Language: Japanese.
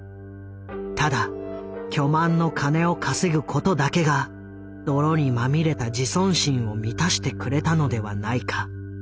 ただ巨万の金を稼ぐことだけが泥にまみれた自尊心を満たしてくれたのではないか。